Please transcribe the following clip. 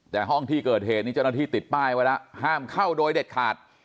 แต่ห้องที่เกิดเหตุนี้เจ้าหน้าที่ติดป้ายไว้แล้วห้ามเข้าโดยเด็ดขาด